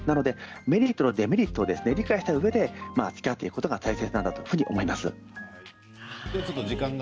メリットデメリットを理解してつきあっていくことが大切だと思います。